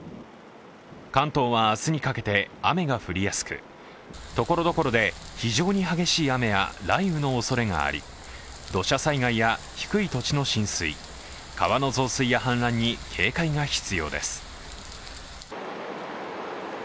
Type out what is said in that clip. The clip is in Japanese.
関東は明日にかけて雨が降りやすくところどころで非常に激しい雨や雷雨のおそれがあり土砂災害や低い土地の浸水川の増水や氾濫に警戒が必要です。